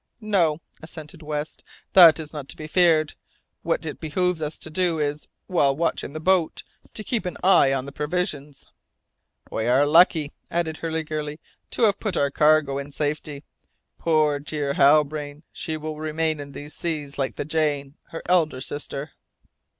"No," assented West, "that is not to be feared. What it behoves us to do is, while watching the boat, to keep an eye on the provisions." "We are lucky," added Hurliguerly, "to have put our cargo in safety. Poor, dear Halbrane. She will remain in these seas, like the Jane, her elder sister!"